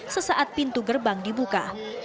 sesaat pintu gerbang dibuka